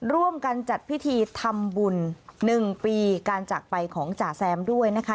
ร่วมกันจัดพิธีทำบุญ๑ปีการจากไปของจ่าแซมด้วยนะคะ